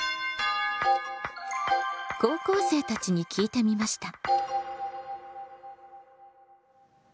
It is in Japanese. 高校生たちに聞いてみました。